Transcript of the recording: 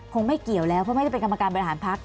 ไม่เกี่ยวแล้วเพราะไม่ได้เป็นกรรมการบริหารพัก